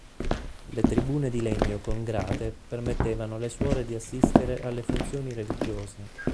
Le tribune di legno con grate permettevano alle suore di assistere alle funzioni religiose.